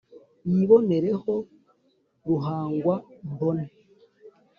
yibonere ho ruhangwa-mbone